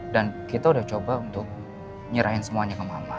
dan kita udah coba untuk nyerahin semuanya ke mama